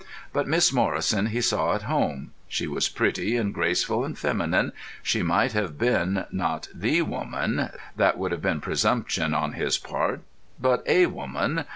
But Miss Morrison he saw at home; she was pretty and graceful and feminine; she might have been, not the woman—that would have been presumption on his part—but a woman